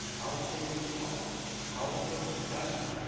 How they would talk! How they had talked!